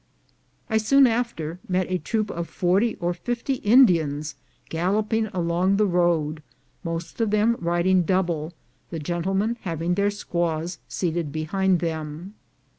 I soon after met a troop of forty or fifty Indians galloping along the road, most of them riding double — the gentlemen having their squaws seated behind them.